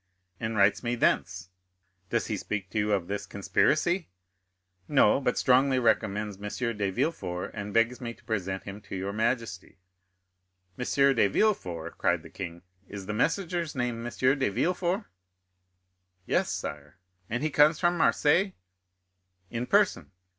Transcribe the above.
"And writes me thence." "Does he speak to you of this conspiracy?" "No; but strongly recommends M. de Villefort, and begs me to present him to your majesty." "M. de Villefort!" cried the king, "is the messenger's name M. de Villefort?" "Yes, sire." "And he comes from Marseilles?" "In person."